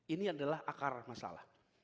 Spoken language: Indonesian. ini adalah akar masalah